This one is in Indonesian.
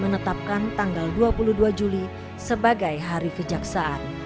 menetapkan tanggal dua puluh dua juli sebagai hari kejaksaan